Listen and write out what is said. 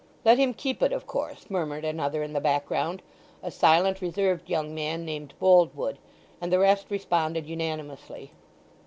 "Let him keep it, of course," murmured another in the background—a silent, reserved young man named Boldwood; and the rest responded unanimously.